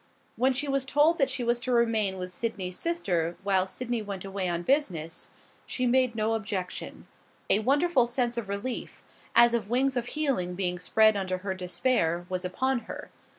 When she was told that she was to remain with Sydney's sister while Sydney went away on business, she made no objection. A wonderful sense of relief, as of wings of healing being spread under her despair, was upon her.